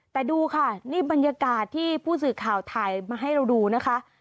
แต่ดูค่ะนี่บรรยากาศที่ผู้สื่อข่าวถ่ายมาให้เราดูนะคะ